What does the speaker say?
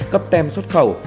cấp tem xuất khẩu